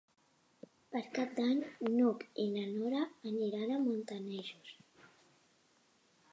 Per Cap d'Any n'Hug i na Nora aniran a Montanejos.